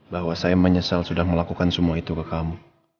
bahwa saya menyesal sudah melakukan semua itu ke kamu